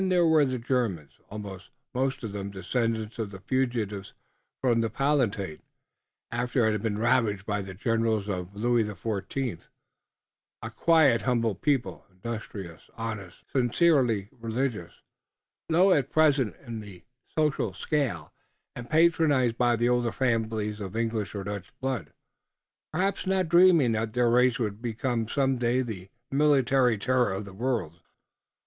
There were the Germans, also, most of them descendants of the fugitives from the Palatinate, after it had been ravaged by the generals of Louis XIV, a quiet, humble people, industrious, honest, sincerely religious, low at present in the social scale, and patronized by the older families of English or Dutch blood, perhaps not dreaming that their race would become some day the military terror of the world.